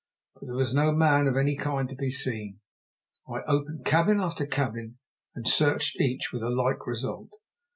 But there was no man of any kind to be seen. I opened cabin after cabin, and searched each with a like result.